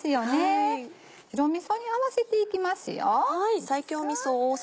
白みそに合わせていきます。